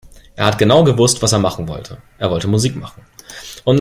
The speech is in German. Er hat genau gewusst, was er machen wollte. Er wollte Musik machen.